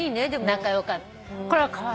仲良かった。